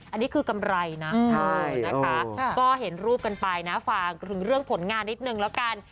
อันนี้คือกำไรนะใช่นะคะก็เห็นรูปกันไปนะฝากถึงเรื่องผลงานนิดนึงแล้วกัน